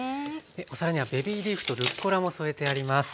お皿にはベビーリーフとルッコラも添えてあります。